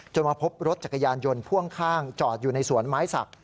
มาพบรถจักรยานยนต์พ่วงข้างจอดอยู่ในสวนไม้สัก